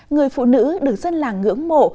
người phụ nữ được dân làng ngưỡng mộ